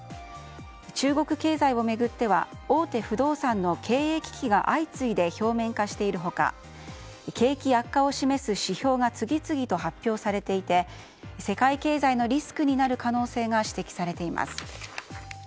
中国経済を巡っては大手不動産の経営危機が相次いで表面化している他景気悪化を示す指標が次々と発表されていて世界経済のリスクになる可能性が指摘されています。